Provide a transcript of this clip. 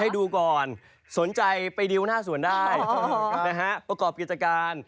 ดูก่อนสนใจไปดิวหน้าสวนได้นะฮะประกอบกิจการ